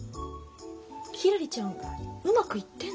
ひらりちゃんうまくいってんの？